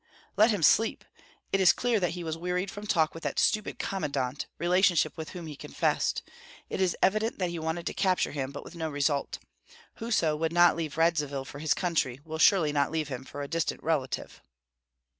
"Let him sleep. It is clear that he was wearied from talk with that stupid commandant, relationship with whom he confessed. It is evident that he wanted to capture him, but with no result. Whoso would not leave Radzivill for his country, will surely not leave him for a distant relative."